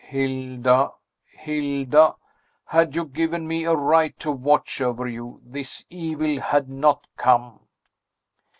Hilda, Hilda, had you given me a right to watch over you, this evil had not come!"